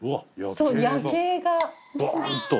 そう夜景がはい。